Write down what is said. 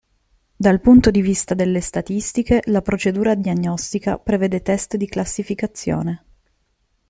Dal punto di vista delle statistiche, la procedura diagnostica prevede test di classificazione.